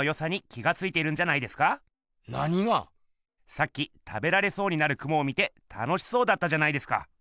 さっき食べられそうになるクモを見て楽しそうだったじゃないですか。